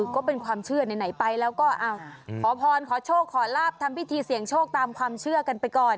ก็เป็นความเชื่อไหนไปแล้วก็ขอพรขอโชคขอลาบทำพิธีเสี่ยงโชคตามความเชื่อกันไปก่อน